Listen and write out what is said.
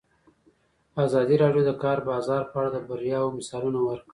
ازادي راډیو د د کار بازار په اړه د بریاوو مثالونه ورکړي.